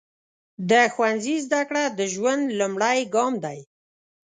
د ښوونځي زده کړه د ژوند لومړی ګام دی.